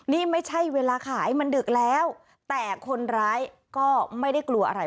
นี่ไม่ใช่เวลาขายมันดึกแล้วแต่คนร้ายก็ไม่ได้กลัวอะไร